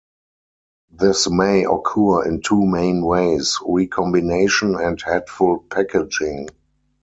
This may occur in two main ways, recombination and headful packaging.